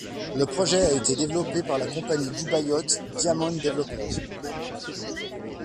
Le projet a été développé par la compagnie dubaïote Diamond Developers.